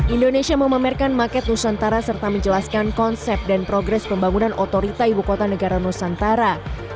indonesia memamerkan market nusantara serta menjelaskan konsep dan progres pembangunan otorita ibu kota negara nusantara